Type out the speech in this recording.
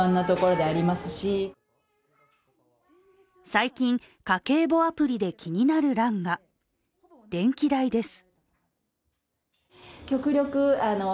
最近、家計簿アプリで気になる欄が電気代です。